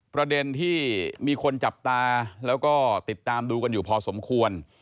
ประเด็นที่มีคนจับตาแล้วก็ติดตามดูกันอยู่พอสมควร